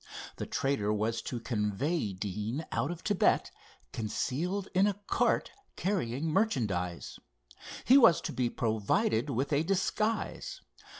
The trader was to convey Deane out of Thibet concealed in a cart carrying merchandise. He was to be provided with a disguise.